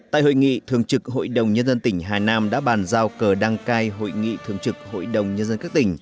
tại hội nghị thường trực hội đồng nhân dân tỉnh hà nam đã bàn giao cờ đăng cai hội nghị thường trực hội đồng nhân dân các tỉnh